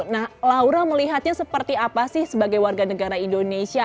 nah laura melihatnya seperti apa sih sebagai warga negara indonesia